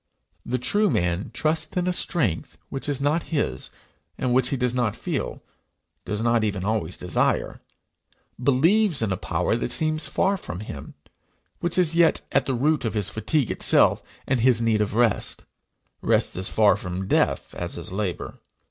The true man trusts in a strength which is not his, and which he does not feel, does not even always desire; believes in a power that seems far from him, which is yet at the root of his fatigue itself and his need of rest rest as far from death as is labour.